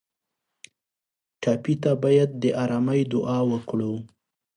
ټپي ته باید د ارامۍ دعا وکړو.